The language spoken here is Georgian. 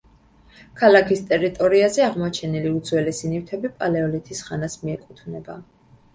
ქალაქის ტერიტორიაზე აღმოჩენილი უძველესი ნივთები პალეოლითის ხანას მიეკუთვნება.